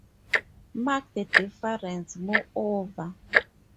Mark the difference, moreover